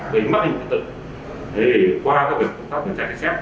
vì mắc hình tự qua các biện pháp của trang trí xét